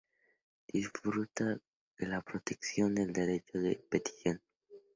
Disfruta de la protección del derecho de petición.